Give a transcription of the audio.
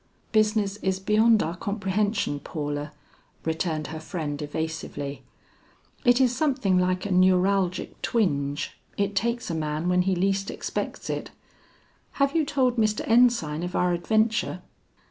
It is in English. "Business is beyond our comprehension, Paula," returned her friend evasively. "It is something like a neuralgic twinge, it takes a man when he least expects it. Have you told Mr. Ensign of our adventure?"